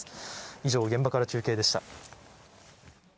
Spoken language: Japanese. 以上、現場から中継でした。